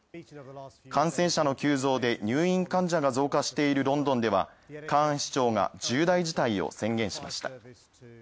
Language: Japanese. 感染者の急増で、入院患者が増加しているロンドンではカーン市長が「重大事態」を宣言しました。